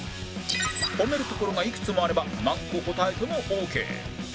ホメるところがいくつもあれば何個答えてもオーケー